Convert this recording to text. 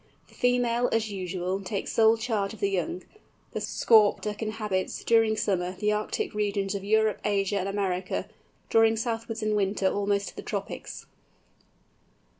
The female, as usual, takes sole charge of the young. The Scaup Duck inhabits, during summer, the Arctic regions of Europe, Asia, and America, drawing southwards in winter almost to the tropics.